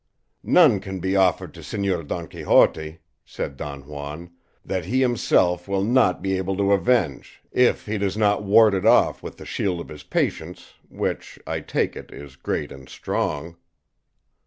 "None can be offered to Señor Don Quixote," said Don Juan, "that he himself will not be able to avenge, if he does not ward it off with the shield of his patience, which, I take it, is great and strong."